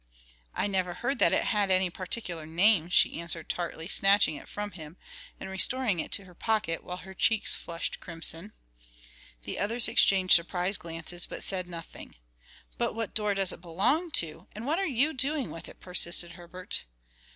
"I never heard that it had any particular name," she answered tartly, snatching it from him and restoring it to her pocket, while her cheeks flushed crimson. The others exchanged surprised glances, but said nothing. "But what door does it belong to? and what are you doing with it?" persisted Herbert.